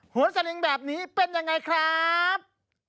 หนสลิงแบบนี้เป็นอย่างไรครับ